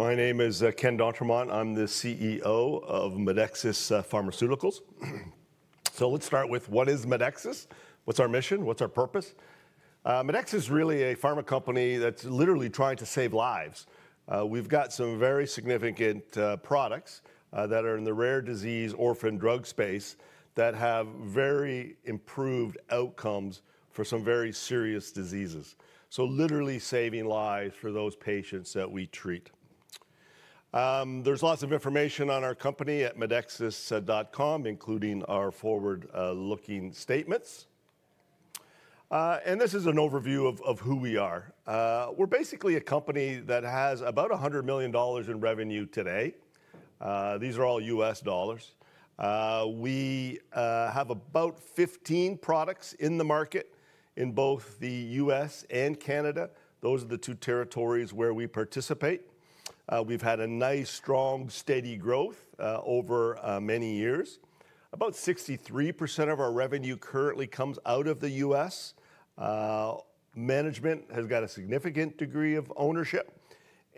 My name is Ken d'Entremont. I'm the CEO of Medexus Pharmaceuticals. Let's start with what is Medexus. What's our mission? What's our purpose? Medexus is really a pharma company that's literally trying to save lives. We've got some very significant products that are in the rare disease orphan drug space that have very improved outcomes for some very serious diseases. Literally saving lives for those patients that we treat. There's lots of information on our company at medexus.com, including our forward-looking statements. This is an overview of who we are. We're basically a company that has about $100 million in revenue today. These are all U.S. dollars. We have about 15 products in the market in both the U.S. and Canada. Those are the two territories where we participate. We've had a nice, strong, steady growth over many years. About 63% of our revenue currently comes out of the U.S. Management has got a significant degree of ownership.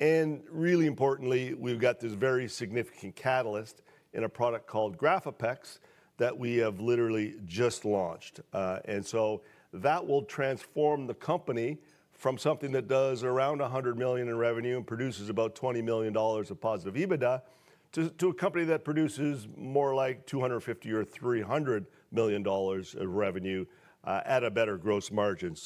Really importantly, we've got this very significant catalyst in a product called GRAFAPEX that we have literally just launched. That will transform the company from something that does around $100 million in revenue and produces about $20 million of positive EBITDA to a company that produces more like $250 million or $300 million of revenue at a better gross margin.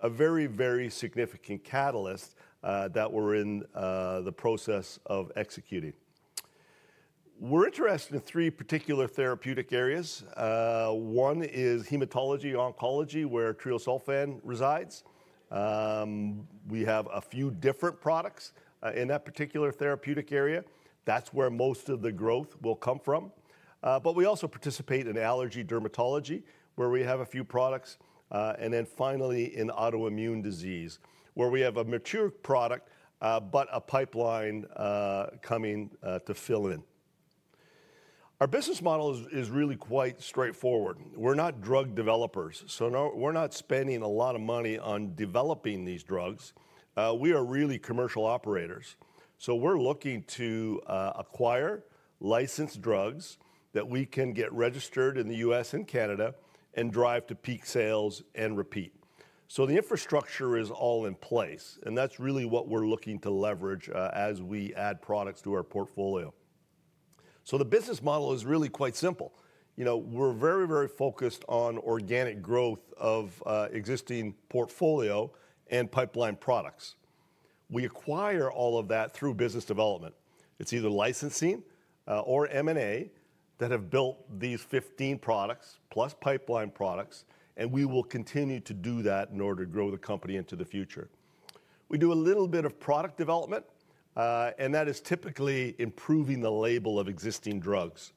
A very, very significant catalyst that we're in the process of executing. We're interested in three particular therapeutic areas. One is hematology/oncology, where GRAFAPEX resides. We have a few different products in that particular therapeutic area. That's where most of the growth will come from. We also participate in allergy/dermatology, where we have a few products. Finally, in autoimmune disease, where we have a mature product but a pipeline coming to fill in. Our business model is really quite straightforward. We're not drug developers. We're not spending a lot of money on developing these drugs. We are really commercial operators. We're looking to acquire licensed drugs that we can get registered in the U.S. and Canada and drive to peak sales and repeat. The infrastructure is all in place. That's really what we're looking to leverage as we add products to our portfolio. The business model is really quite simple. We're very, very focused on organic growth of existing portfolio and pipeline products. We acquire all of that through business development. It's either licensing or M&A that have built these 15 products plus pipeline products. We will continue to do that in order to grow the company into the future. We do a little bit of product development, and that is typically improving the label of existing drugs.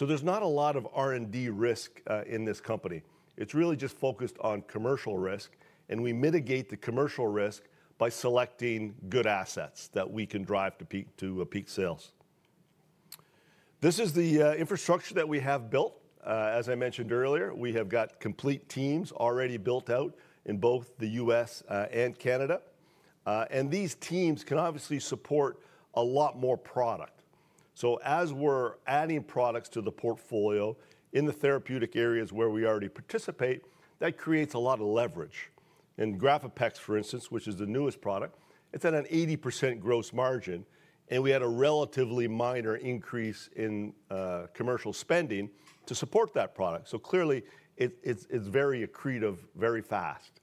There's not a lot of R&D risk in this company. It's really just focused on commercial risk. We mitigate the commercial risk by selecting good assets that we can drive to peak sales. This is the infrastructure that we have built. As I mentioned earlier, we have got complete teams already built out in both the U.S. and Canada, and these teams can obviously support a lot more product. As we're adding products to the portfolio in the therapeutic areas where we already participate, that creates a lot of leverage. GRAFAPEX, for instance, which is the newest product, it's at an 80% gross margin, and we had a relatively minor increase in commercial spending to support that product. Clearly, it's very accretive very fast.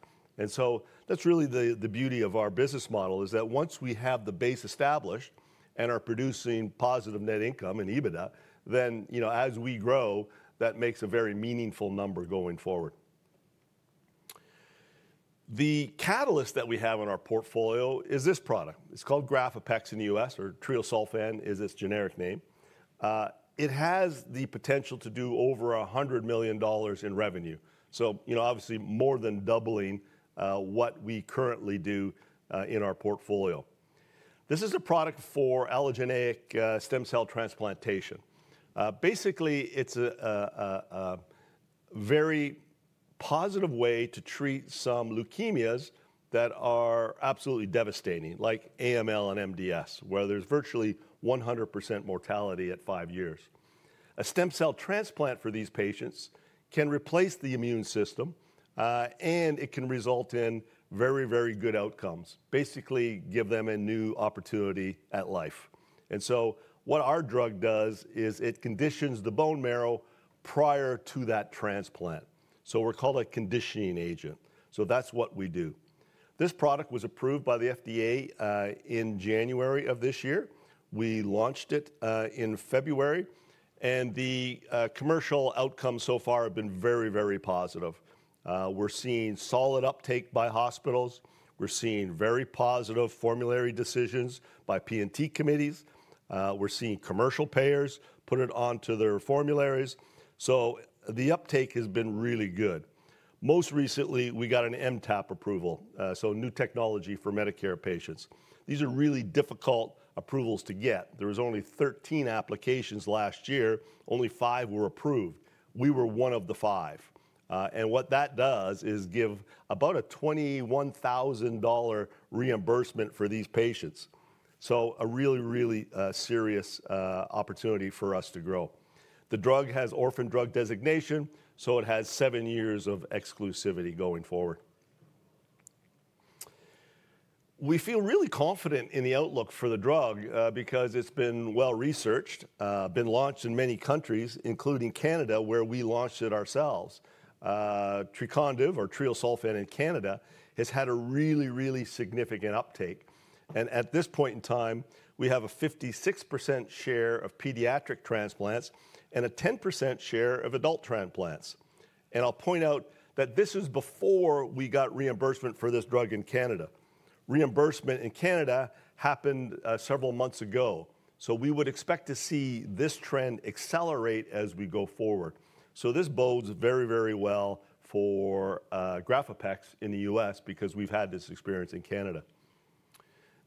That's really the beauty of our business model, is that once we have the base established and are producing positive net income and EBITDA, then as we grow, that makes a very meaningful number going forward. The catalyst that we have in our portfolio is this product. It's called GRAFAPEX in the U.S., or triosulfan is its generic name. It has the potential to do over $100 million in revenue, obviously more than doubling what we currently do in our portfolio. This is a product for allogeneic stem cell transplantation. Basically, it's a very positive way to treat some leukemias that are absolutely devastating, like AML and MDS, where there's virtually 100% mortality at five years. A stem cell transplant for these patients can replace the immune system, and it can result in very, very good outcomes, basically give them a new opportunity at life. What our drug does is it conditions the bone marrow prior to that transplant, so we're called a conditioning agent. That's what we do. This product was approved by the FDA in January of this year. We launched it in February, and the commercial outcomes so far have been very, very positive. We're seeing solid uptake by hospitals. We're seeing very positive formulary decisions by P&T committees. We're seeing commercial payers put it onto their formularies. The uptake has been really good. Most recently, we got an MTAP approval, so new technology for Medicare patients. These are really difficult approvals to get. There were only 13 applications last year. Only five were approved. We were one of the five. What that does is give about a $21,000 reimbursement for these patients. A really, really serious opportunity for us to grow. The drug has orphan drug designation, so it has seven years of exclusivity going forward. We feel really confident in the outlook for the drug because it's been well researched, been launched in many countries, including Canada, where we launched it ourselves. Trecondyv, or triosulfan in Canada, has had a really, really significant uptake. At this point in time, we have a 56% share of pediatric transplants and a 10% share of adult transplants. I'll point out that this is before we got reimbursement for this drug in Canada. Reimbursement in Canada happened several months ago. We would expect to see this trend accelerate as we go forward. This bodes very, very well for GRAFAPEX in the U.S. because we've had this experience in Canada.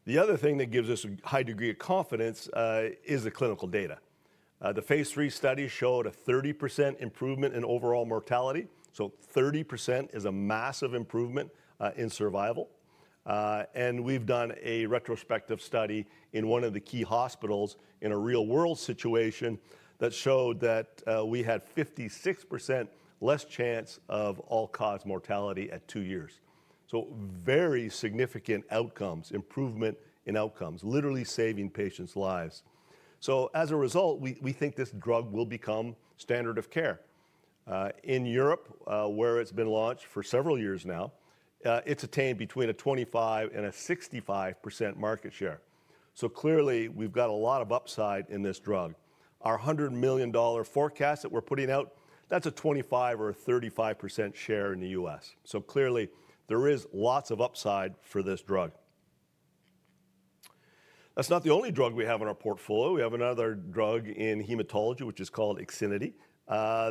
The other thing that gives us a high degree of confidence is the clinical data. The phase III study showed a 30% improvement in overall mortality. 30% is a massive improvement in survival. We've done a retrospective study in one of the key hospitals in a real-world situation that showed that we had 56% less chance of all-cause mortality at two years. Very significant improvement in outcomes, literally saving patients' lives. As a result, we think this drug will become standard of care. In Europe, where it's been launched for several years now, it's attained between a 25% and a 65% market share. Clearly, we've got a lot of upside in this drug. Our $100 million forecast that we're putting out, that's a 25% or a 35% share in the U.S. Clearly, there is lots of upside for this drug. That's not the only drug we have in our portfolio. We have another drug in hematology, which is called IXINITY.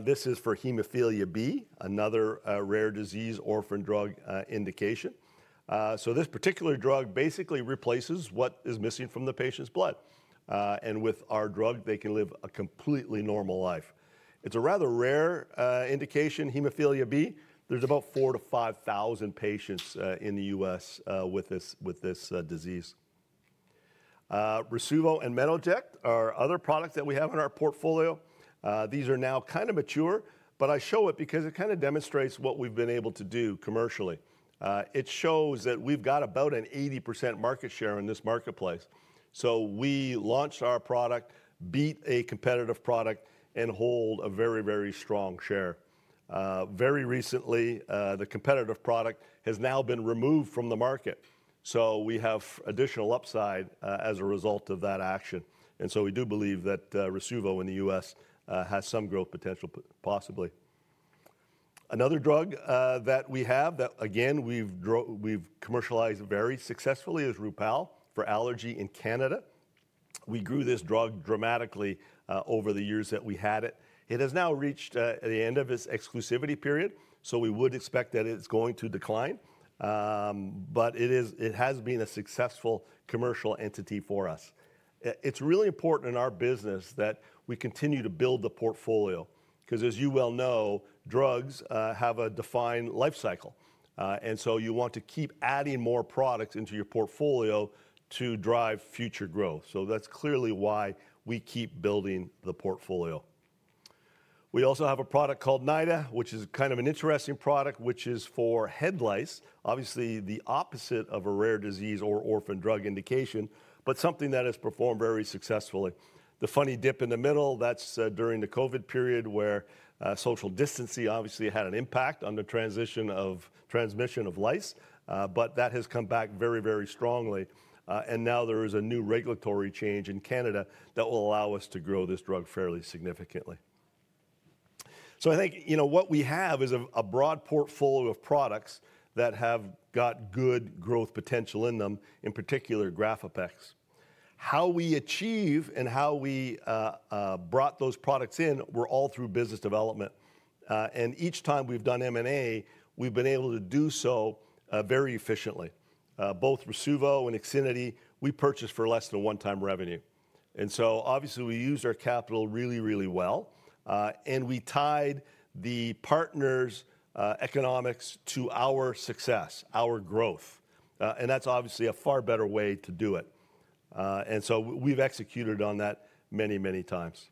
This is for hemophilia B, another rare disease orphan drug indication. This particular drug basically replaces what is missing from the patient's blood. With our drug, they can live a completely normal life. It's a rather rare indication, hemophilia B. There's about 4,000 - 5,000 patients in the U.S. with this disease. Rasuvo and Metoject are other products that we have in our portfolio. These are now kind of mature, but I show it because it kind of demonstrates what we've been able to do commercially. It shows that we've got about an 80% market share in this marketplace. We launched our product, beat a competitive product, and hold a very, very strong share. Very recently, the competitive product has now been removed from the market. We have additional upside as a result of that action. We do believe that Rasuvo in the U.S. has some growth potential, possibly. Another drug that we have that, again, we've commercialized very successfully is Rupall for allergy in Canada. We grew this drug dramatically over the years that we had it. It has now reached the end of its exclusivity period. We would expect that it's going to decline, but it has been a successful commercial entity for us. It's really important in our business that we continue to build the portfolio because, as you well know, drugs have a defined life cycle. You want to keep adding more products into your portfolio to drive future growth. That's clearly why we keep building the portfolio. We also have a product called Nida, which is kind of an interesting product, which is for head lice, obviously the opposite of a rare disease or orphan drug indication, but something that has performed very successfully. The funny dip in the middle, that's during the COVID period where social distancing obviously had an impact on the transmission of lice. That has come back very, very strongly. Now there is a new regulatory change in Canada that will allow us to grow this drug fairly significantly. I think what we have is a broad portfolio of products that have got good growth potential in them, in particular GRAFAPEX. How we achieve and how we brought those products in were all through business development. Each time we've done M&A, we've been able to do so very efficiently. Both Rasuvo and IXINITY, we purchased for less than one-time revenue. We used our capital really, really well. We tied the partner's economics to our success, our growth. That's obviously a far better way to do it. We've executed on that many, many times.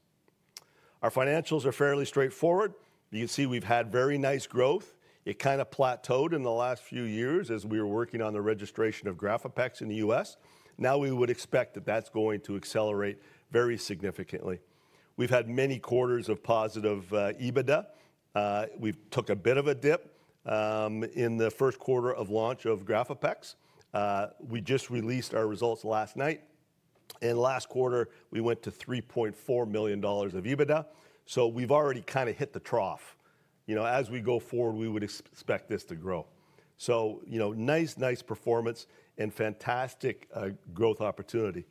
Our financials are fairly straightforward. You can see we've had very nice growth. It kind of plateaued in the last few years as we were working on the registration of GRAFAPEX in the U.S. We would expect that that's going to accelerate very significantly. We've had many quarters of positive EBITDA. We took a bit of a dip in the first quarter of launch of GRAFAPEX. We just released our results last night. Last quarter, we went to $3.4 million of EBITDA. We've already kind of hit the trough. As we go forward, we would expect this to grow. Nice, nice performance and fantastic growth opportunity.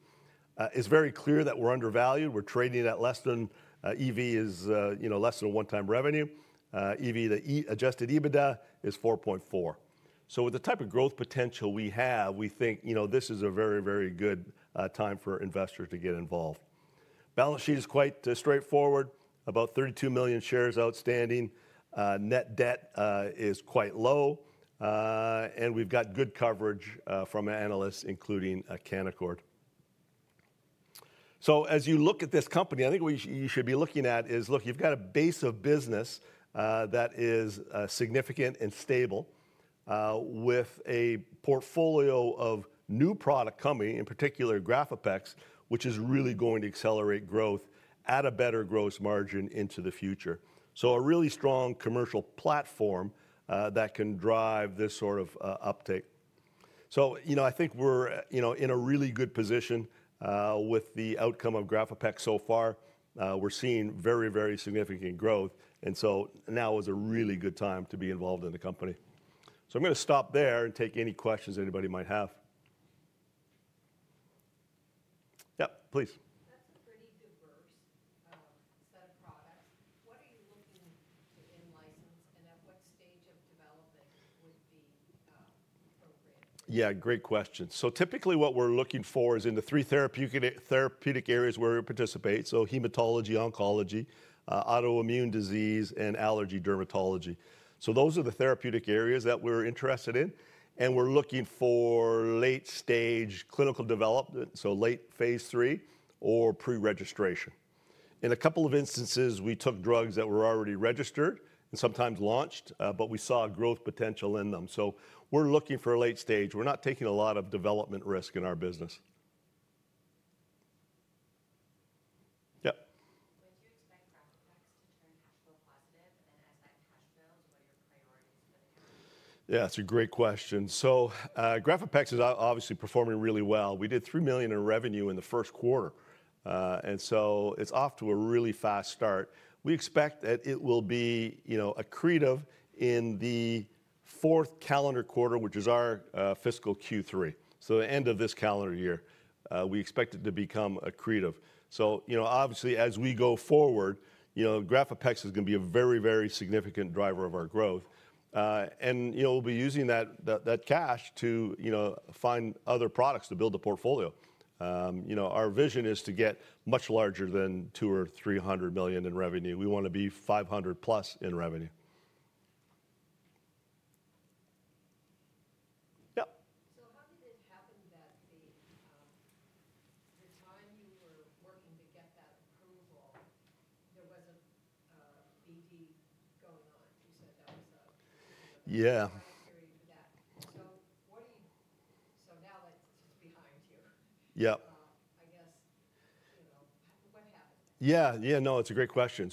It's very clear that we're undervalued. We're trading at less than EV is less than one-time revenue. EV/adjusted EBITDA is 4.4. With the type of growth potential we have, we think this is a very, very good time for investors to get involved. Balance sheet is quite straightforward, about 32 million shares outstanding. Net debt is quite low. We've got good coverage from analysts, including Canaccord. As you look at this company, I think what you should be looking at is, look, you've got a base of business that is significant and stable with a portfolio of new products coming, in particular GRAFAPEX, which is really going to accelerate growth at a better gross margin into the future. A really strong commercial platform that can drive this sort of uptake. I think we're in a really good position with the outcome of GRAFAPEX so far. We're seeing very, very significant growth. Now is a really good time to be involved in the company. I'm going to stop there and take any questions anybody might have. Yeah, please. That's a pretty diverse set of products. What are you looking in licensing? Great question. Typically, what we're looking for is in the three therapeutic areas where we participate: hematology, oncology, autoimmune disease, and allergy dermatology. Those are the therapeutic areas that we're interested in. We're looking for late-stage clinical development, late phase III or pre-registration. In a couple of instances, we took drugs that were already registered and sometimes launched, but we saw growth potential in them. We're looking for late stage. We're not taking a lot of development risk in our business. You expect GRAFAPEX to turn cash flow positive. As that cash flows, what are your priorities for the company? Yeah, that's a great question. GRAFAPEX is obviously performing really well. We did $3 million in revenue in the first quarter, so it's off to a really fast start. We expect that it will be accretive in the fourth calendar quarter, which is our fiscal Q3, the end of this calendar year. We expect it to become accretive. Obviously, as we go forward, GRAFAPEX is going to be a very, very significant driver of our growth. We'll be using that cash to find other products to build the portfolio. Our vision is to get much larger than $200 million or $300 million in revenue. We want to be $500+ in revenue. Yeah. How did this happen that the time you were working to get that approval, there was an AD going on? You said that. Yeah, no, it's a great question.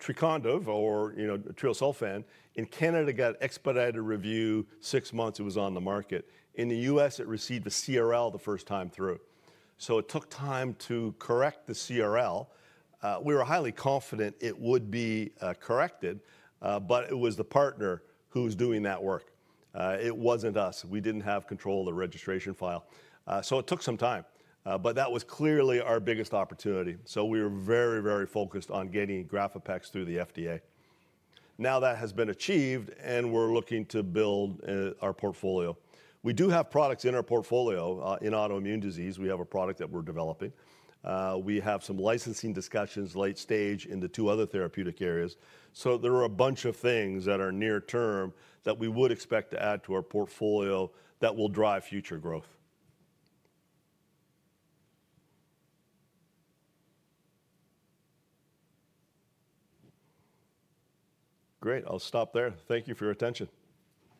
Trecondyv, or triosulfan, in Canada got expedited review, six months it was on the market. In the U.S., it received the CRL the first time through. It took time to correct the CRL. We were highly confident it would be corrected. It was the partner who was doing that work. It wasn't us. We didn't have control of the registration file. It took some time. That was clearly our biggest opportunity. We were very, very focused on getting GRAFAPEX through the FDA. Now that has been achieved. We're looking to build our portfolio. We do have products in our portfolio in autoimmune disease. We have a product that we're developing. We have some licensing discussions late stage in the two other therapeutic areas. There are a bunch of things that are near term that we would expect to add to our portfolio that will drive future growth. Great. I'll stop there. Thank you for your attention.